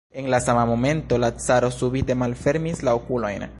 En la sama momento la caro subite malfermis la okulojn.